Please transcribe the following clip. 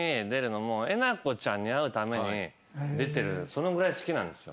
そのぐらい好きなんですよ。